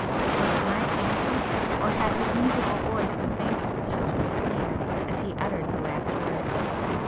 Was it my fancy, or had his musical voice the faintest touch of a sneer as he uttered the last words?